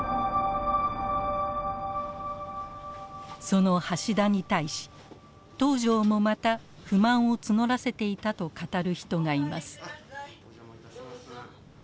その橋田に対し東條もまた不満を募らせていたと語る人がいます。